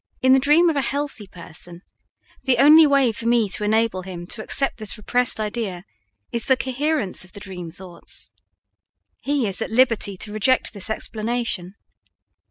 In the dream of a healthy person the only way for me to enable him to accept this repressed idea is the coherence of the dream thoughts. He is at liberty to reject this explanation.